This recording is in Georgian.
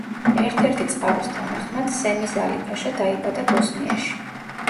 ერთ-ერთი წყაროს თანახმად სემიზ ალი-ფაშა დაიბადა ბოსნიაში.